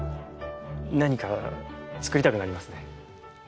何か作りたくなりますね。